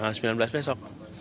tanggal sembilan belas besok